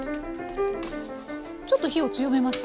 ちょっと火を強めました。